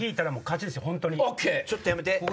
ちょっとやめて。